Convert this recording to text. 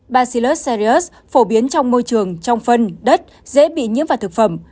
bacillus crius phổ biến trong môi trường trong phân đất dễ bị nhiễm vào thực phẩm